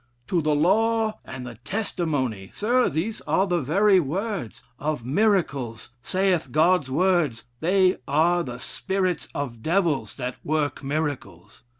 'To the law and the testimony.'" Sirs! These are the very words: 'Of miracles, saith God's word, 'They are the spirits of devils, that work miracles.'